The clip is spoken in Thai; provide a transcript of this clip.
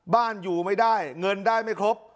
บ้านอยู่ไม่ได้เงินได้ไม่ครบ